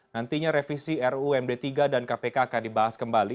nantinya revisi rumd tiga dan kpk akan dibahas kembali